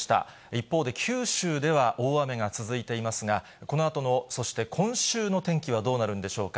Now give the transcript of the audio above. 一方で九州では大雨が続いていますが、このあとの、そして今週の天気はどうなるんでしょうか。